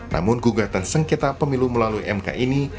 namun gugatan sengketa pemilu melalui mk ini